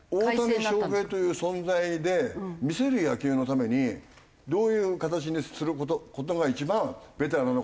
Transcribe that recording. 大谷翔平という存在で魅せる野球のためにどういう形にする事が一番ベターなのかっていう。